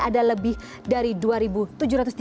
ada lebih dari lima batch yang ada